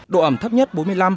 độ ẩm thấp nhất bốn mươi năm